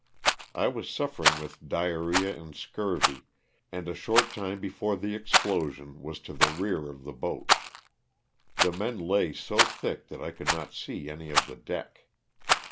'' I was suffering with diar rhea and scurvy, and a short time before the explosion was to the rear of the boat. The men lay so thick that I could not see any of the deck.